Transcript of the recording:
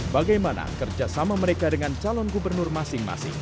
bagaimana kerjasama mereka dengan calon gubernur masing masing